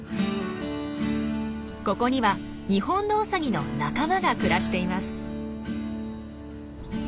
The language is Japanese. ここにはニホンノウサギの仲間が暮らしています。